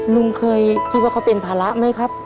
ลุงเคยคิดว่าเขาเป็นภาระไหมครับ